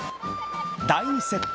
第２セット